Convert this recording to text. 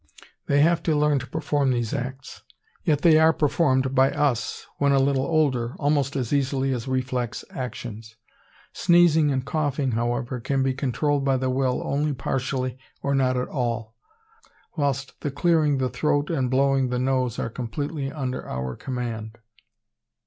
They have to learn to perform these acts, yet they are performed by us, when a little older, almost as easily as reflex actions. Sneezing and coughing, however, can be controlled by the will only partially or not at all; whilst the clearing the throat and blowing the nose are completely under our command.